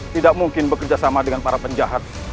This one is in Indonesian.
tidak mungkin bekerja sama dengan para penjahat